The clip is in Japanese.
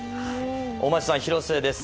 大町さん、廣瀬です。